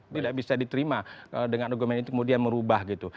tidak bisa diterima dengan dokumen itu kemudian merubah gitu